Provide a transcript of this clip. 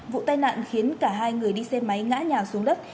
vụ tai nạn khiến cả hai người đi xe máy ngã nhà xuống đất